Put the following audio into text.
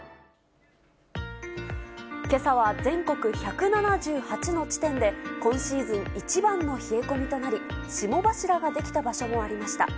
けさは全国１７８の地点で、今シーズン一番の冷え込みとなり、霜柱が出来た場所もありました。